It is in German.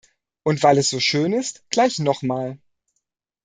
Und weil es so schön ist, gleich noch mal!